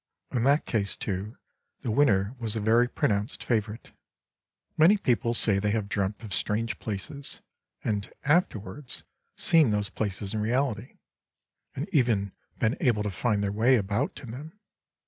In that case, too, the winner was a very pronounced favourite. Many people say they have dreamt of strange places, and afterwards seen those places in reality, and even been able to find their way about in them.